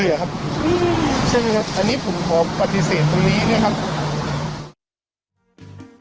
ใช่ไหมครับอันนี้ผมขอปฏิเสธตรงนี้นะครับ